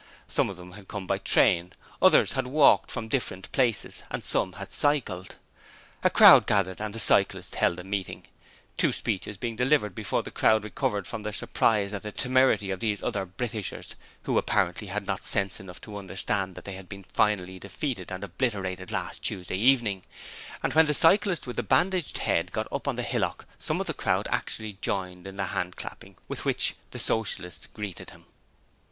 Some of them had come by train, others had walked from different places and some had cycled. A crowd gathered and the Socialists held a meeting, two speeches being delivered before the crowd recovered from their surprise at the temerity of these other Britishers who apparently had not sense enough to understand that they had been finally defeated and obliterated last Tuesday evening: and when the cyclist with the bandaged head got up on the hillock some of the crowd actually joined in the hand clapping with which the Socialists greeted him.